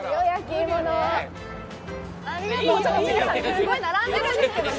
皆さん、すごい並んでいるんですけどね